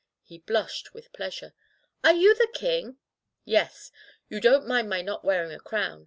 He blushed with pleasure. "Are you the king?" "Yes. You don't mind my not wearing a crown